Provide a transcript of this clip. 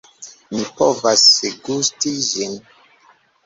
Mi povas gusti ĝin.